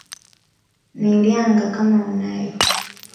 Nilyanga kama unayo